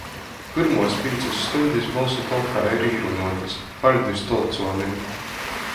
Pyrmuos pīcys stuņdis Bolsu tolkā ir īrunuotys. Paļdis tolcuonim!